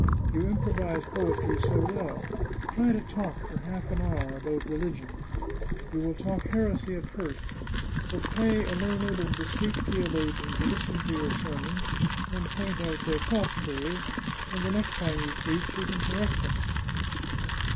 You improvise poetry so well ! Try to talk, for half an hour, about religion ! You will talk heresy at first, but pay a learned and discreet theo logian to listen to your sermons, and point out their faults to you, and the next time you preach you can correct them."